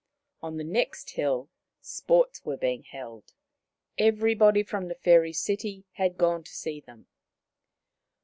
On the next hill sports were being held. Every body from the fairy city had gone to see them.